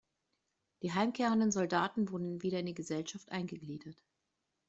Die heimkehrenden Soldaten wurden wieder in die Gesellschaft eingegliedert.